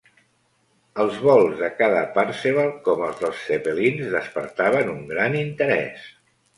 Els vols de cada "parseval", com els dels zepelins, despertaven un gran interès.